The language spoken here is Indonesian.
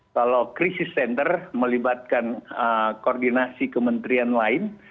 kalau krisis center melibatkan koordinasi kementerian lain